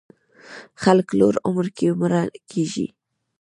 خلک لوړ عمر کې مړه کېږي.